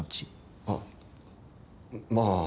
あっまあ。